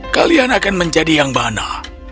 kalian akan menjadi yang mana